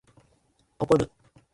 怒る